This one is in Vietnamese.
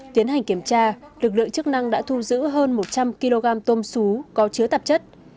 tiến hành kiểm tra lực lượng chức năng đã thu giữ hơn một trăm linh kg tôm xú có chứa tạp chất